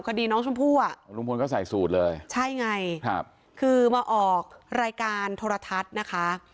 คดีน้องชมพู่อ่ะลุงพลก็ใส่สูตรเลยใช่ไงครับคือมาออกรายการโทรทัศน์นะคะ